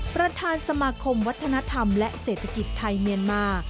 ประธานสมาคมวัฒนธรรมและเศรษฐกิจไทยเมียนมา